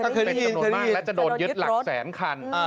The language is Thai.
เคยได้ยินเคยได้ยินและจะโดนยึดหลักแสนคัน